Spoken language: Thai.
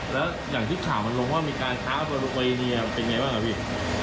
แล้วอย่างที่ข่าวมันลงว่ามีการค้าบนเวเนียเป็นไงบ้างครับพี่